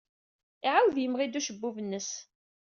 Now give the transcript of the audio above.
Iɛawed yemɣi-d ucebbub-nnes.